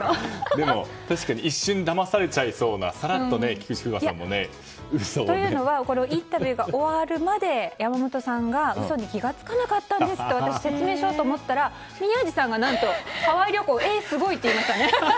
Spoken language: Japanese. でも、確かに一瞬だまされちゃいそうなというのはインタビューが終わるまで山本さんが嘘に気が付かなかったんですと私、説明しようと思ったら宮司さんが、何とハワイ旅行すごいって言いましたね。